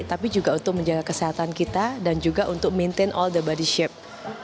tapi juga untuk menjaga kesehatan kita dan juga untuk maintain all the body ship